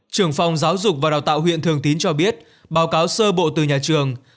trưởng phòng giáo dục và đào tạo huyện thường tín cho biết báo cáo sơ bộ từ nhà trường